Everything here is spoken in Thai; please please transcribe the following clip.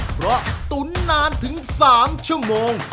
เพราะตุ๋นนานถึง๓ชั่วโมง